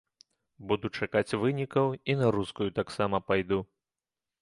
Буду чакаць вынікаў і на рускую таксама пайду.